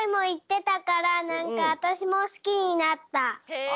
へえ！